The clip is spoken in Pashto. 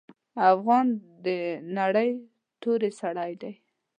افغان د نرۍ توري سړی دی.